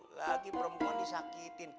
lagi perempuan disakitin